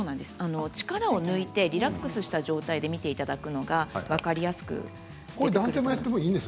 力を抜いてリラックスした状態で見ていただくのが分かりやすいです。